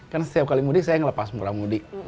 kan setiap kali mudik saya ngelepas murah mudik